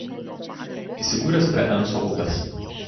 Įsikūręs prie Enso upės.